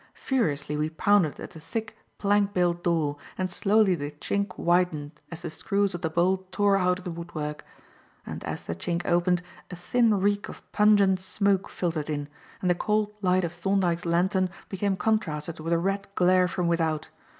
Furiously we pounded at the thick, plank built door, and slowly the chink widened as the screws of the bolt tore out of the woodwork. And as the chink opened, a thin reek of pungent smoke filtered in, and the cold light of Thorndyke's lantern became contrasted with a red glare from without.